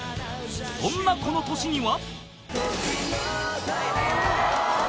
［そんなこの年には］